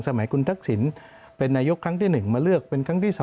สมัยคุณทักษิณเป็นนายกครั้งที่๑มาเลือกเป็นครั้งที่๒